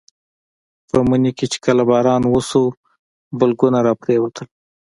په مني کې چې کله باران وشو بلګونه راپرېوتل.